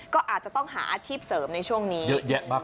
ก็อาจจะต้องหาอาชีพเสริมในช่วงนี้เยอะแยะมาก